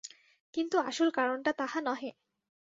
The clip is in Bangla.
কিন্তু আসল কারণটা তাহা নহে।